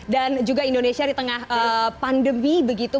dan juga indonesia di tengah pandemi begitu